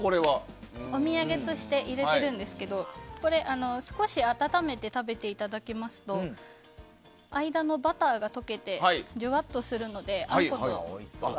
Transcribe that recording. お土産として入れてるんですけど少し温めて食べていただきますと間のバターが溶けてじゅわっとするので。